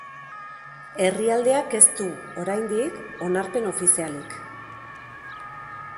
Herrialdeak ez du, oraindik, onarpen ofizialik.